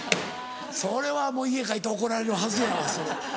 それはもう家帰って怒られるはずやわそれ。